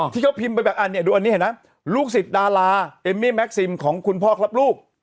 ที่เขาพิมพ์ไปแบบอันนี้ดูอันนี้เห็นไหมลูกศิษย์ดาราเอมมี่แม็กซิมของคุณพ่อครับลูก